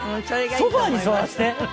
ソファに座らせて。